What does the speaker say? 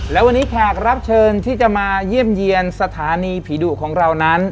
และวันนี้แขกรับเชิญที่จะมาเยี่ยมเยี่ยมสถานีผีดุของเรานั้น